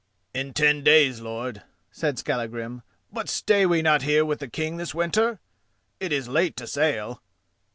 "In ten days, lord," said Skallagrim; "but stay we not here with the King this winter? It is late to sail."